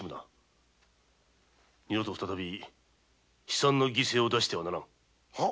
二度と再び悲惨な犠牲を出してはならん。